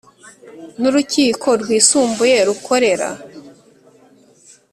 N urukiko rwisumbuye rukorera